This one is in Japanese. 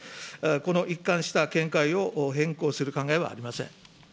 この一貫した見解を変更する考えはありません。